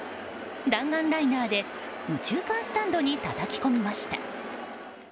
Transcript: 弾丸ライナーで右中間スタンドにたたき込みました。